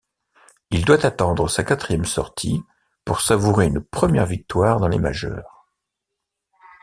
Il doit attendre sa quatrième sortie pour savourer une première victoire dans les majeures.